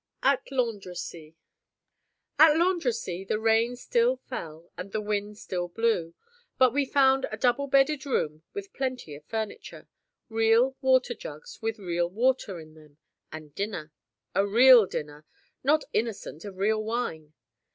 AT LANDRECIES AT Landrecies the rain still fell and the wind still blew; but we found a double bedded room with plenty of furniture, real water jugs with real water in them, and dinner: a real dinner, not innocent of real wine.